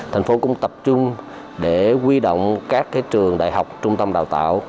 thành phố cũng tập trung để huy động các cái trường đại học trung tâm đào tạo